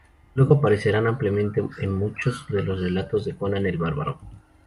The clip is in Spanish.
Luego aparecerán ampliamente en muchos de los relatos de Conan el bárbaro.